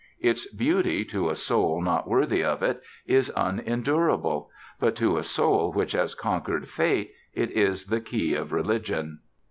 Its beauty, to a soul not worthy of it, is unendurable; but to a soul which has conquered Fate it is the key of religion.